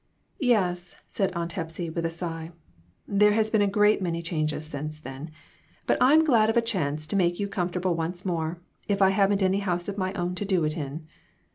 "Yes," said .Aunt Hepsy, with a sigh. "There have been a great many changes since then ; but I'm glad of a chance to make you comfortable once more, if I haven't any house of my own to do it in."